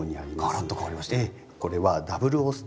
がらっと変わりました。